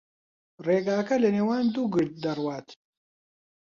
ڕێگاکە لەنێوان دوو گرد دەڕوات.